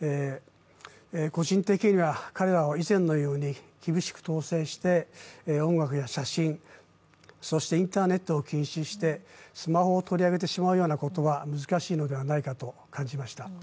個人的には彼らを以前のように厳しく統制して、音楽や写真、インターネットを禁止してスマホを取り上げてしまうことは難しいのではないかと感じました。